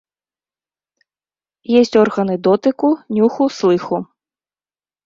Есць органы дотыку, нюху, слыху.